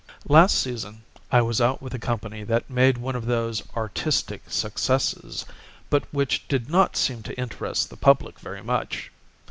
"Last season I was out with a company that made one of those 'artistic successes,' but which did not seem to interest the public very much.